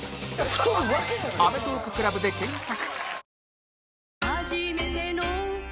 「アメトーーク ＣＬＵＢ」で検索